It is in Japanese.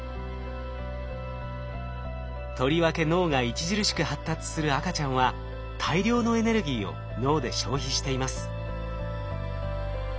とりわけ脳が著しく発達する赤ちゃんは大量のエネルギーを脳で消費しています。